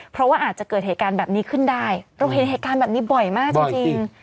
เพราะว่าอาจจะเกิดเหตุการณ์แบบนี้ขึ้นได้เราเห็นเหตุการณ์แบบนี้บ่อยมากจริง